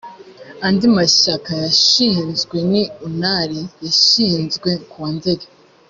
andi mashyaka yashinzwe ni unar yashinzwe ku wa nzeri